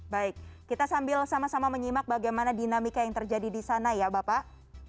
baik kita sambil sama sama menyimak bagaimana dinamika yang terjadi di sana ya bapak